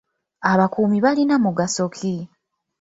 Abakuumi balina mugaso ki?